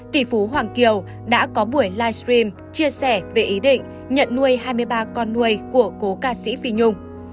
tỷ phú hoàng kiều đã có buổi live stream chia sẻ về ý định nhận nuôi hai mươi ba con nuôi của cô ca sĩ phi nhung